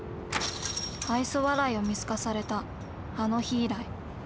愛想笑いを見透かされたあの日以来。